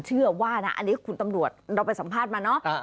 เชื่อว่านะอันนี้คุณตำรวจเราไปสัมภาษณ์มาเนอะ